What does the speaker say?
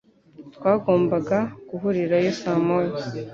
Twagombaga guhurirayo saa moya.